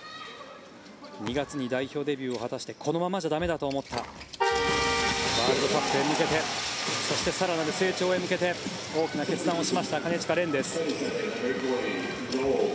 ２月に代表デビューを果たしてこのままじゃ駄目だと思ったワールドカップへ向けてそして更なる成長へ向けて大きな決断をしました金近廉です。